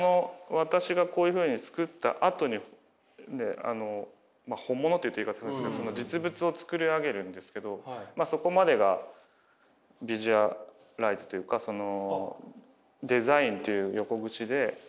私がこういうふうに作ったあとに本物と言うと言い方変ですけど実物を作り上げるんですけどそこまでがビジュアライズというかそのデザインという横口で切り取られてるんですけど。